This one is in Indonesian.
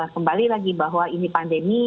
kembali lagi bahwa ini pandemi